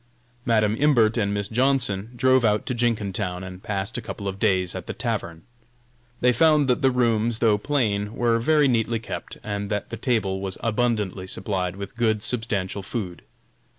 Madam Imbert and Miss Johnson drove out to Jenkintown and passed a couple of days at the tavern. They found that the rooms, though plain, were very neatly kept, and that the table was abundantly supplied with good, substantial food.